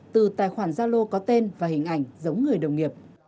từ tài khoản gia lô có tên và hình ảnh giống người đồng nghiệp